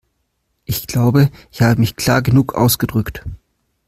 Ich glaube, ich habe mich klar genug ausgedrückt.